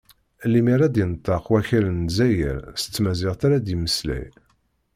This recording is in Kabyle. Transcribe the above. Lemmer ad d-yenṭeq wakal n Lezzayer, s tamaziɣt ara d-yemmeslay.